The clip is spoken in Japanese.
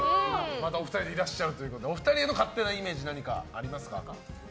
またお二人でいらっしゃるということでお二人への勝手なイメージ何かありますか？